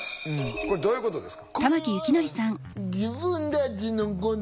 これどういうことですか？